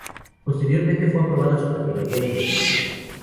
Posteriormente fue aprobada su categoría de municipio.